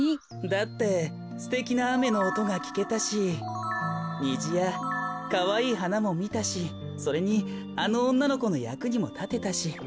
だってすてきなあめのおとがきけたしにじやかわいいはなもみたしそれにあのおんなのこのやくにもたてたし。